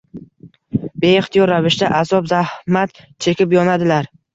Beixtiyor ravishda azob, zahmat chekib yonadilar